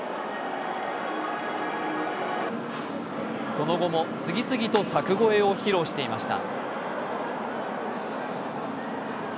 その後も次々と柵越えを披露していました。